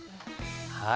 はい。